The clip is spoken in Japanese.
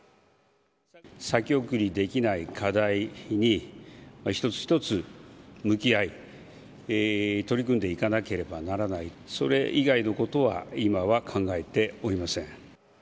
先送りできない課題に、一つ一つ向き合い、取り組んでいかなければならない、それ以外のことは今は考えておりません。